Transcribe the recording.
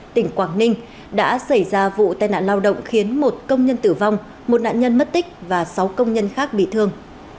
tỉnh quảng ninh đã xảy ra vụ tai nạn lao động khiến một công nhân tử vong một nạn nhân mất tích và sáu công nhân khác bị thương